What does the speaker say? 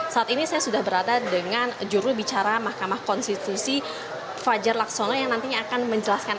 saat ini saya sudah berada dengan juru bicara mahkamah konstitusi fajar laksono yang nantinya akan menjelaskan